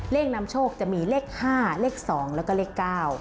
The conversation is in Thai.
นำโชคจะมีเลข๕เลข๒แล้วก็เลข๙